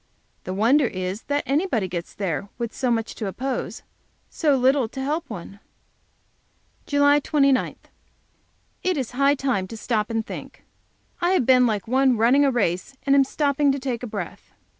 The wonder is that anybody gets there with so much to oppose so little to help one! JULY 29. It is high time to stop and think. I have been like one running a race, and am stopping to take breath.